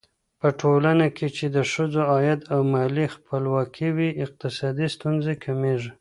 په ټولنه کې چې د ښځو عايد او مالي خپلواکي وي، اقتصادي ستونزې کمېږي.